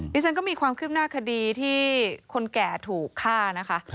ฉันก็มีความคืบหน้าคดีที่คนแก่ถูกฆ่านะคะ